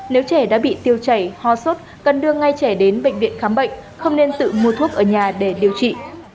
nếu trẻ đã bị tiêu chảy ho sốt cần đưa ngay trẻ đến bệnh viện khám bệnh không nên tự mua thuốc ở nhà để điều trị